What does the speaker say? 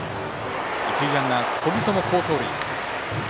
一塁ランナー、小木曽も好走塁。